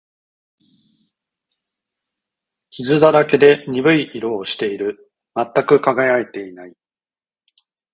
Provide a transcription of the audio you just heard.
傷だらけで、鈍い色をしている。全く輝いていない。